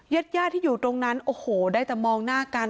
ญาติที่อยู่ตรงนั้นได้แต่มองหน้ากัน